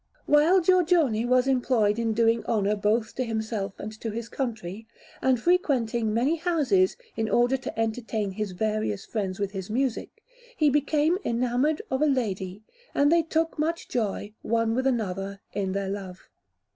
While Giorgione was employed in doing honour both to himself and to his country, and frequenting many houses in order to entertain his various friends with his music, he became enamoured of a lady, and they took much joy, one with another, in their love.